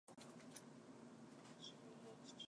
It requires continuous practice and problem-solving skills.